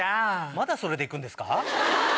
まだそれで行くんですか？